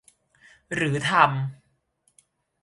หรือทำ